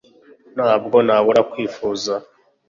ntabwo nabura kwifuza